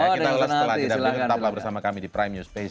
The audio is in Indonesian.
kita lewat setelah ini dan kita tetaplah bersama kami di prime news space